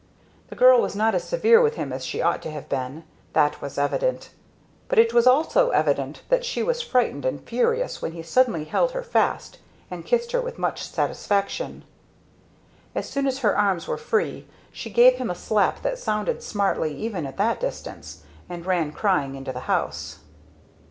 The girl was not as severe with him as she ought to have been that was evident; but it was also evident that she was frightened and furious when he suddenly held her fast and kissed her with much satisfaction. As soon as her arms were free she gave him a slap that sounded smartly even at that distance; and ran crying into the house.